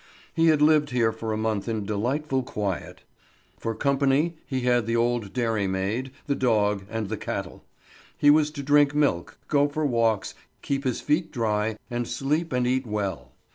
He had lived here for a month in delightful quiet. For company he had the old dairymaid, the dog and the cattle. He was to drink milk, go for walks, keep his feet dry, and sleep and eat well.